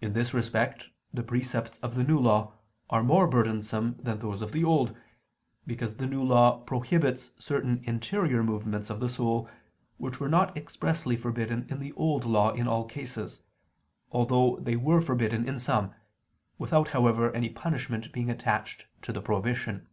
In this respect the precepts of the New Law are more burdensome than those of the Old; because the New Law prohibits certain interior movements of the soul, which were not expressly forbidden in the Old Law in all cases, although they were forbidden in some, without, however, any punishment being attached to the prohibition.